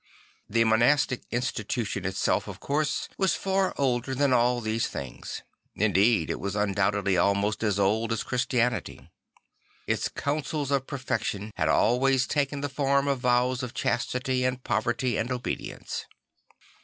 The monastic institution itself, of course, was far older than all these things; indeed it was undoubtedly almost as old as Christianity. Its counsels of perfection had always taken the form of vows of chastity and poverty and obedience.